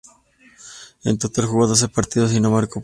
En total jugó doce partidos y no marcó puntos.